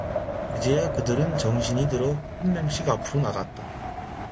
그제야 그들은 정신이 들어 한 명씩 앞으로 나갔다.